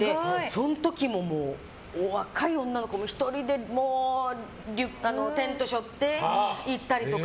その時ももう若い女の子も１人でテント背負っていったりとか。